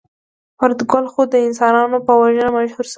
فریدګل خو د انسانانو په وژنه مشهور شوی و